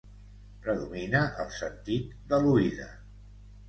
Predomina el sentit de l'oïda.